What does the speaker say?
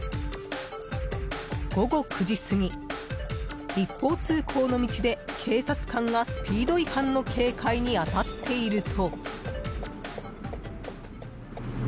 午後９時過ぎ、一方通行の道で警察官がスピード違反の警戒に当たっていると。